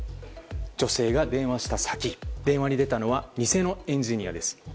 女性が電話した先電話に出たのは偽のエンジニア。